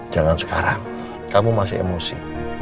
jangan sekarang kamu masih emosi